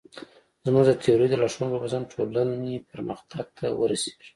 زموږ د تیورۍ د لارښوونو پر بنسټ ټولنې پرمختګ ته ورسېږي.